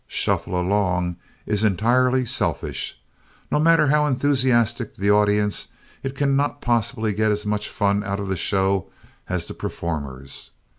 Shuffle Along is entirely selfish. No matter how enthusiastic the audience, it cannot possibly get as much fun out of the show as the performers.